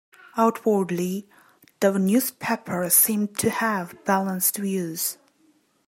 Outwardly, the newspaper seemed to have balanced views.